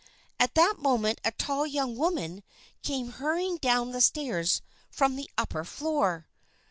At that moment a tall young woman came hurrying down the stairs from the upper floor.